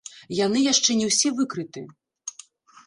Яны яшчэ не ўсе выкрыты!